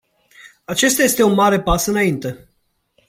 Acesta este un mare pas înainte.